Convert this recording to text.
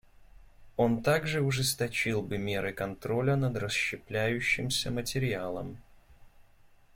Он также ужесточил бы меры контроля над расщепляющимся материалом.